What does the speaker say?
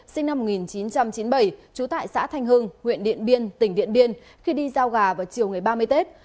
sinh năm một nghìn chín trăm chín mươi bảy trú tại xã thanh hưng huyện điện biên tỉnh điện biên khi đi giao gà vào chiều ngày ba mươi tết